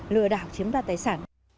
lừa đảo chiếm đoạt tài sản